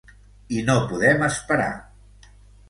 I no podem esperar!